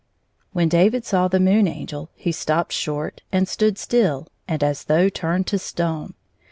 When David saw the Moon Angel he stopped short, and stood still and as though turned to stone.